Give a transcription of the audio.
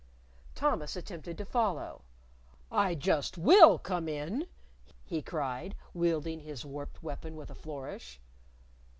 Thomas attempted to follow. "I just will come in," he cried, wielding his warped weapon with a flourish.